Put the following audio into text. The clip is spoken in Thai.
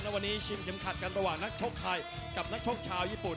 วันนี้ชิมเข็มขัดกันระหว่างนักชกไทยกับนักชกชาวญี่ปุ่น